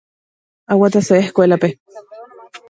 Aguatase escuelape.